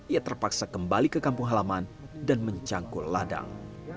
ia terpaksa kembali ke kampung halaman dan mencangkul ladang